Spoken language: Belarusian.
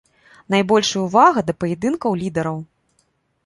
Найбольшая ўвага да паядынкаў лідараў.